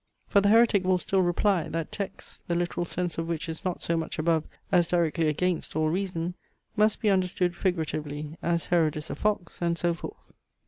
For the heretic will still reply, that texts, the literal sense of which is not so much above as directly against all reason, must be understood figuratively, as Herod is a fox, and so forth."